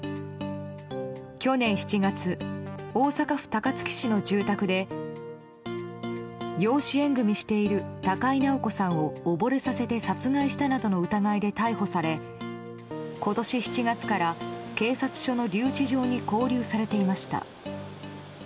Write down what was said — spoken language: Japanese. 去年７月、大阪府高槻市の住宅で養子縁組している高井直子さんを溺れさせて殺害したなどの罪で逮捕され今年７月から、警察署の留置場に勾留されていました。